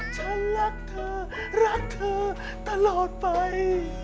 ฉันรักเธอรักเธอตลอดไป